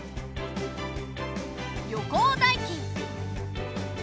旅行代金。